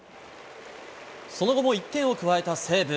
その後も１点を加えた西武。